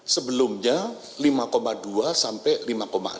sebelumnya lima dua sampai lima enam